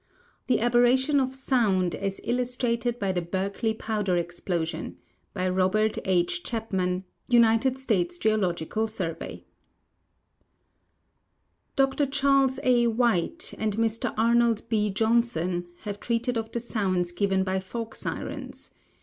THE ABERRATION OF SOUND AS ILLUSTRATED BY THE BERKELEY POWDER EXPLOSION By Robert LI. Chapman, United States Geological Surrey Dr Cl):irle.s A. Wliite* and Mr Arnold B. Johnson t have treated of the sounds given by fog sirens.